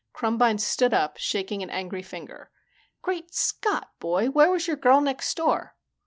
Krumbine stood up, shaking an angry finger. "Great Scott, boy, where was Your Girl Next Door?"